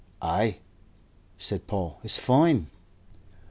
"Ay," said Paul, "it's foine."